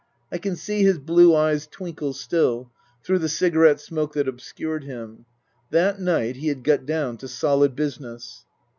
I can see his blue eyes twinkle still, through the cigarette smoke that obscured him. That night he had got down to solid business.